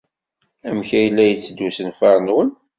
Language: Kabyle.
Amek ay la yetteddu usenfar-nwen?